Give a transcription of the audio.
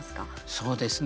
そうですね。